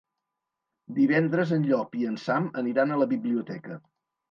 Divendres en Llop i en Sam aniran a la biblioteca.